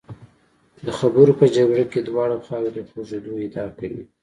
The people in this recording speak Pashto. د خبرو په جګړه کې دواړه خواوې د خوږېدو ادعا کوي.